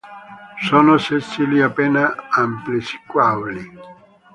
Sono sessili, appena amplessicauli.